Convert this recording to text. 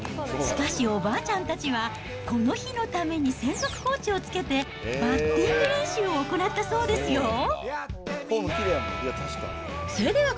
しかし、おばあちゃんたちは、この日のために専属コーチをつけて、バッティング練習を行ったそうですよ。